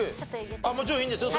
もちろんいいんですよ。